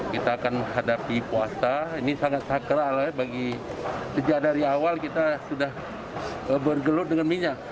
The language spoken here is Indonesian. kita akan menghadapi puasa ini sangat sakral bagi sejak dari awal kita sudah bergelut dengan minyak